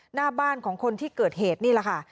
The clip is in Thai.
หน้าบ้านของคนที่เกิดเหตุนี่แหละค่ะ